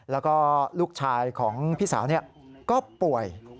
แล้วก็ลูกชายของพี่สาวก็ป่วย